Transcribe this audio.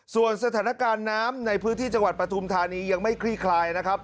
ส่วนสถานการณ์น้ำในพื้นที่จังหวัดปฐุมธานียังไม่คลี่คลายนะครับ